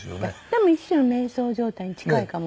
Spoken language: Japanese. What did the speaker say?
でも一種の瞑想状態に近いかも。